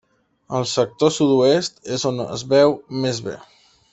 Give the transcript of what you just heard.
Al sector sud-oest és on es veu més bé.